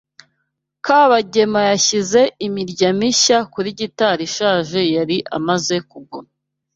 Kabagema yashyize imirya mishya kuri gitari ishaje yari amaze kugura.